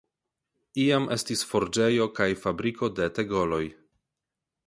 Iam estis forĝejo kaj fabriko de tegoloj.